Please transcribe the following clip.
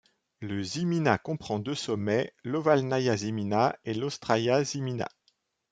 Le Zimina comprend deux sommets, l'Ovalnaïa Zimina et l'Ostraïa Zimina.